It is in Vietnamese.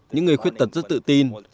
những người khuyết tật rất tự tin